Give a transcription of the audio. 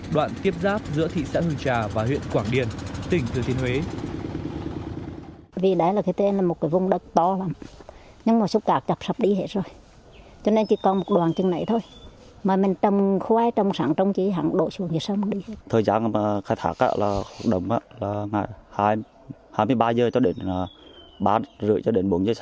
đoạn tiếp giáp giữa thị xã hưng trà và huyện quảng điền tỉnh thừa thiên huế